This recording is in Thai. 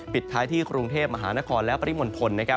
ปิดท้ายที่กรุงเทพมหานครและปริมณฑล